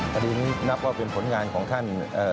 คดีนี้นับว่าเป็นผลงานของท่าน